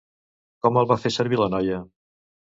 Com el va fer servir la noia?